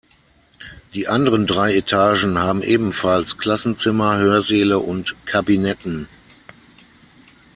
Die anderen drei Etagen haben ebenfalls Klassenzimmer, Hörsäle und Kabinetten.